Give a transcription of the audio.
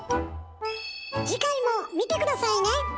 次回も見て下さいね！